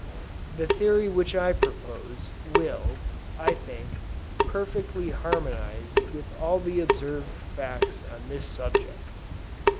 The theory which I propose, will, I think, perfectly harmonize with all the observed facts on this subject.